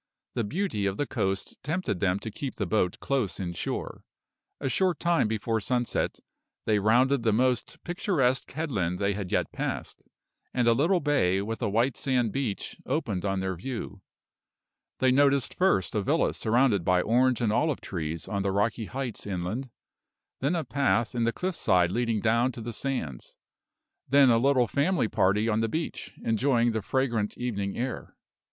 The beauty of the coast tempted them to keep the boat close inshore. A short time before sunset, they rounded the most picturesque headland they had yet passed; and a little bay, with a white sand beach, opened on their view. They noticed first a villa surrounded by orange and olive trees on the rocky heights inland; then a path in the cliff side leading down to the sands; then a little family party on the beach, enjoying the fragrant evening air.